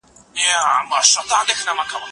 سياسي قدرت د افرادو له پيوستون څخه سرچينه اخلي.